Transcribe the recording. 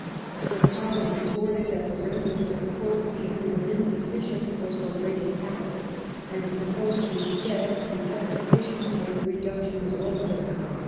Sir Colin retorted that the remnant of the cold season was insufficient for so great a task, and proposed instead an expedition for the reduction of Rohil khand.